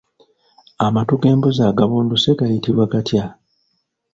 Amatu g'embuzi agabunduse gayitibwa gatya?